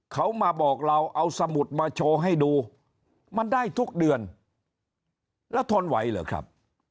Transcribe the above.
เขามาบอกเราเอาสมุดมาโชว์ให้ดูมันได้ทุกเดือนแล้วทนไหวเหรอครับ